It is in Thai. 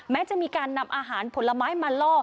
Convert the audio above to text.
แม้จะมีการนำอาหารผลไม้มาล่อ